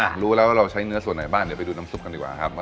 รู้แล้วว่าเราใช้เนื้อส่วนไหนบ้างเดี๋ยวไปดูน้ำซุปกันดีกว่าครับ